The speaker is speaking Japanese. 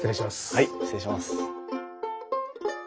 はい失礼します。